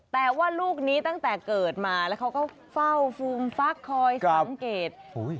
แต่ว่าลูกนี้ตั้งแต่เกิดมาแล้วเขาก็เฝ้าฟูมฟักคอยสังเกต